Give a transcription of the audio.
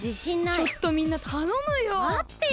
ちょっとみんなたのむよ。